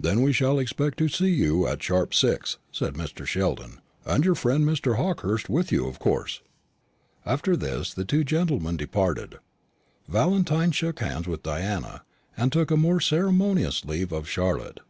"Then we shall expect to see you at sharp six," said Mr. Sheldon, "and your friend Mr. Hawkehurst with you, of course." After this the two gentlemen departed. Valentine shook hands with Diana, and took a more ceremonious leave of Charlotte.